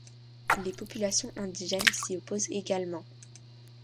Les populations indigènes s’y opposent également.